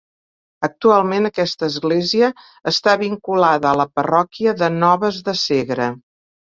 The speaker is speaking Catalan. Actualment aquesta església està vinculada a la parròquia de Noves de Segre.